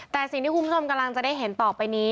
แต่สิ่งที่คุณผู้ชมกำลังจะได้เห็นต่อไปนี้